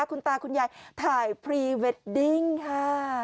คุณตาคุณยายถ่ายพรีเวดดิ้งค่ะ